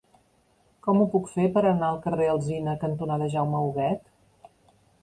Com ho puc fer per anar al carrer Alzina cantonada Jaume Huguet?